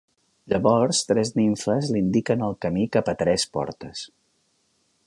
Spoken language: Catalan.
Llavors tres nimfes li indiquen el camí cap a tres portes.